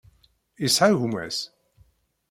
Yesɛa gma-s?